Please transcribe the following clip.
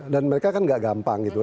dan mereka kan nggak gampang gitu